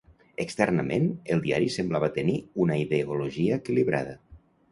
Externament, el diari semblava tenir una ideologia equilibrada.